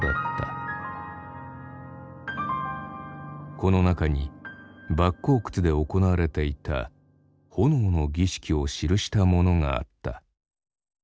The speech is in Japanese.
この中に莫高窟で行われていた炎の儀式を記したものがあった。